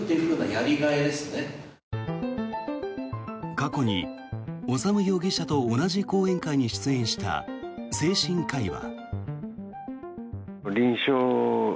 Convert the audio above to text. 過去に修容疑者と同じ講演会に出演した精神科医は。